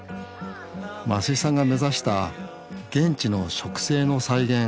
増井さんが目指した現地の植生の再現